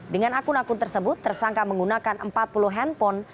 dengan akun akun tersebut tersangka menggunakan empat puluh handphone